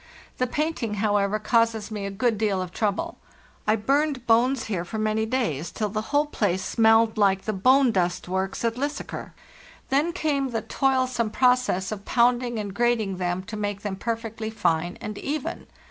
The painting, however, causes me a good deal of trouble. I burned bones here for many days till the whole place smelled like the bone dust works at Lysaker; then came the toilsome process of pounding and grating them to make them perfectly fine and even.